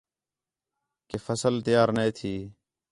کہ فصل تیار نے تھئی